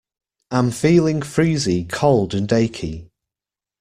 Am feeling freezing cold and achy.